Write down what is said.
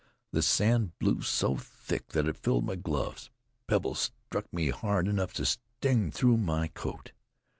The sand blew so thick that it filled my gloves, pebbles struck me hard enough to sting through my coat.